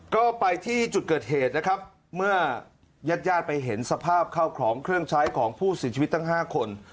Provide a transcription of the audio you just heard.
ก็ไปที่จุดเกิดเหตุนะครับเมื่อญาติญาติไปเห็นสภาพเข้าของเครื่องใช้ของผู้เสียชีวิตทั้ง๕คน